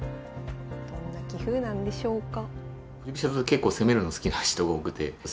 どんな棋風なんでしょうか。